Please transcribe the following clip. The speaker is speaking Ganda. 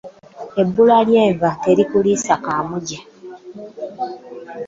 Ebbula ly'enva terikuliisa kaamuje.